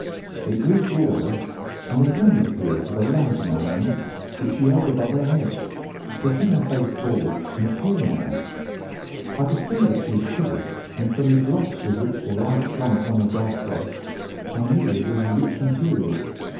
It grew broader, and a woman appeared with a lamp in her hand, which she held above her head, pushing her face forward and peering at us. I could see that she was pretty, and from the gloss with which the light shone upon her dark dress I knew that it was a rich material.